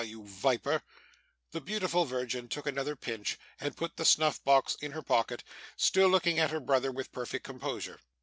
Ugh, you viper!' The beautiful virgin took another pinch, and put the snuff box in her pocket; still looking at her brother with perfect composure.